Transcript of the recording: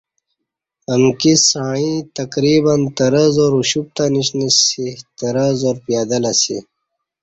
امکی سعیں تقریباَ ترہ ہزار اُوشُپ تہ نِشنہ سی ترہ ہزار پیدل اسی